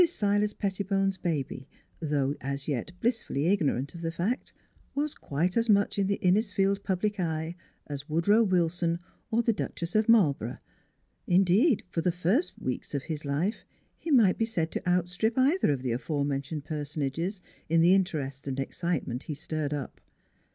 SILAS PETTIBONE'S baby, though as yet blissfully ignorant of the fact, was quite as much in the Innisfield public eye as Woodrow Wilson or the Duchess of Marl borough. Indeed, for the first weeks of his life he might be said to outstrip either of the afore mentioned personages in the interest and excite ment he stirred up.